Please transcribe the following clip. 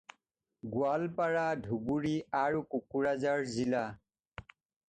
গোৱালপাৰা, ধুবুৰী আৰু কোকৰাঝাৰ জিলা।